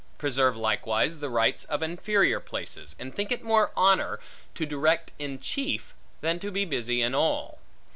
Preserve likewise the rights of inferior places; and think it more honor, to direct in chief, than to be busy in all.